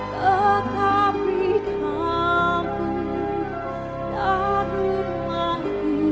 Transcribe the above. tetapi kau tak lupa ku